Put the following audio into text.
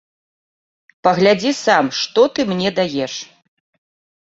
Паглядзі сам, што ты мне даеш!